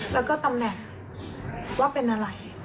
แล้วก็ตำแหน่งว่าเป็นอะไร